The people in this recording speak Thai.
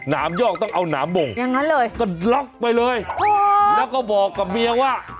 น้ำยอกต้องเอาน้ำบ่งก็ล็อกไปเลยแล้วก็บอกกับเมียว่า